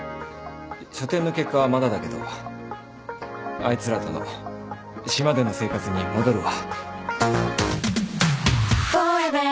書展の結果はまだだけどあいつらとの島での生活に戻るわ。